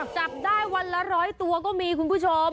จับได้วันละ๑๐๐ตัวก็มีคุณผู้ชม